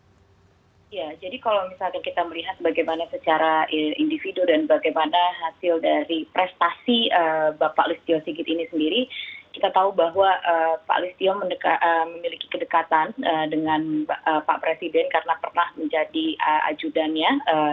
jadi kalau kita melihat secara individu dan bagaimana hasil dari prestasi pak listio sigit ini sendiri kita tahu bahwa pak listio memiliki kedekatan dengan pak presiden karena pernah menjadi ajudanya